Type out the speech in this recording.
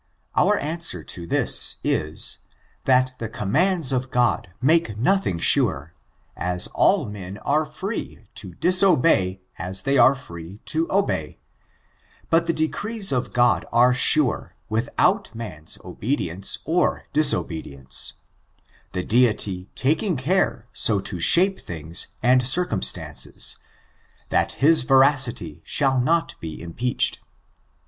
Our answer to this is, that the commands of God make nothing sure, as all men are free to diso bey as they are free to obey ; but the decrees of God are sure, without man's obedience or disobedience — the Deity taking care so to shape things and circimi stances, that his veracity shall not be impeached.